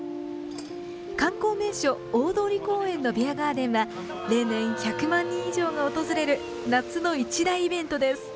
観光名所、大通公園のビアガーデンは例年１００万人以上が訪れる夏の一大イベントです。